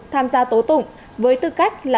tham gia tố tụng với tư cách là